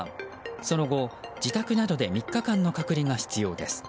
その後、自宅などで３日間の隔離が必要です。